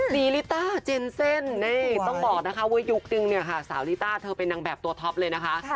ลีลิต้าเจนเซ่นนี่ต้องบอกนะคะว่ายุคนึงเนี่ยค่ะสาวลิต้าเธอเป็นนางแบบตัวท็อปเลยนะคะ